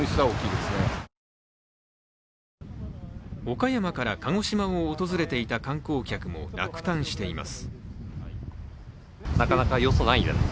岡山から鹿児島を訪れていた観光客も落胆しています。